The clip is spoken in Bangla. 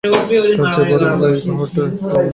তার চেয়ে বরং তুই খাওয়াটা একটু কমা।